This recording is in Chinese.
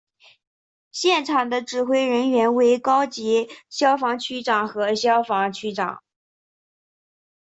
现场的指挥人员为高级消防区长和消防区长。